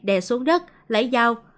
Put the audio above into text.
đè xuống đất lấy dao